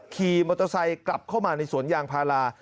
ขี่มอเตอร์ไซค์กลับเข้ามาในสวนยางพารา